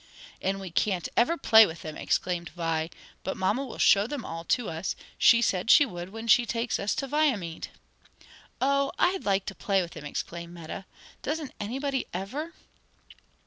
"And we can't ever play with them!" exclaimed Vi, "but mamma will show them all to us; she said she would when she takes us to Viamede." "Oh I'd like to play with them!" exclaimed Meta, "Doesn't anybody ever?"